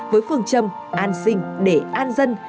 với phương châm an sinh để an dân